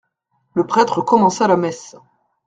Le prêtre commença la messe.